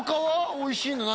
おいしいの何？